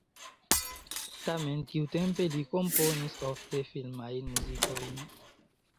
Tamen tiutempe li komponis ofte filmajn muzikojn.